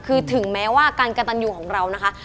คือถึงแม้ว่าการกระตันยูของเรานะคะ